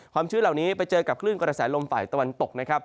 ความชื้นเหล่านี้ไปเจอกับกลื่นกระแสลมฝ่ายตะวันตก